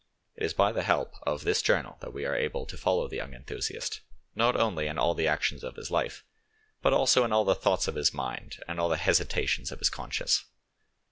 It is by the help of this journal that we are able to follow the young enthusiast, not only in all the actions of his life, but also in all the thoughts of his mind and all the hesitations of his conscience.